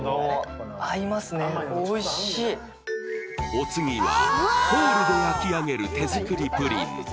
お次はホールで焼き上げる手作りプリン。